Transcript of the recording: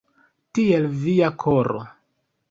Tiel via koro!